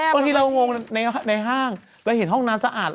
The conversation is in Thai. พอทีเรางงในห้างก็เห็นห้องนานสะอาด